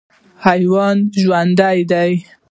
حیوان ژوند دی.